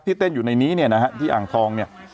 เต้นอยู่ในนี้เนี่ยนะฮะที่อ่างทองเนี่ย